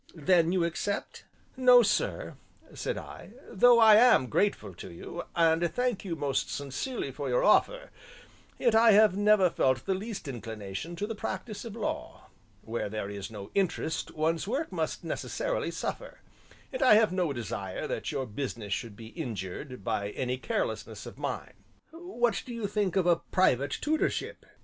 "Then you accept?" "No, sir," said I, "though I am grateful to you, and thank you most sincerely for your offer, yet I have never felt the least inclination to the practice of law; where there is no interest one's work must necessarily suffer, and I have no desire that your business should be injured by any carelessness of mine." "What do you think of a private tutorship?"